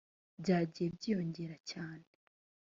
byagiye byiyongera cyane